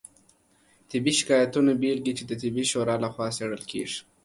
طبي شکایتونو بیلګې چې د طبي شورا لخوا څیړل کیږي